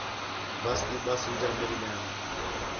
بس تی ٻَئہ سیٹیاں مِل ڳئین